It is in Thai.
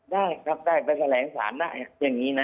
ได้ครับได้ไปแถลงสารได้อย่างนี้นะ